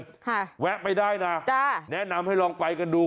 ค่ะแวะไปได้นะจ้ะแนะนำให้ลองไปกันดู